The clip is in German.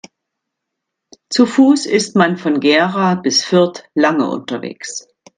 Zu Fuß ist man von Gera bis Fürth lange unterwegs